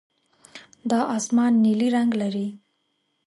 دا اسمان نیلي رنګ لري.